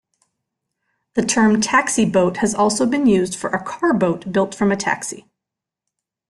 The term taxi-boat has also been used for a car-boat built from a taxi.